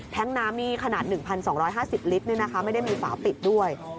แท้งน้ำนี่ขนาด๑๒๕๐ลิตรเนี่ยนะคะไม่ได้มีฝาปิดด้วย